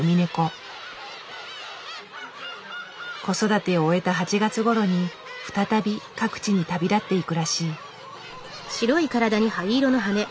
子育てを終えた８月ごろに再び各地に旅立っていくらしい。